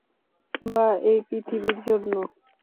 বা এই পৃথিবীর জন্য?